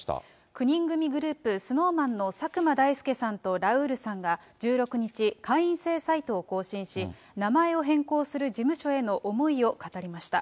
９人組グループ、ＳｎｏｗＭａｎの佐久間だいすけさんとラウールさんが１６日、会員制サイトを更新し、名前を変更する事務所への思いを語りました。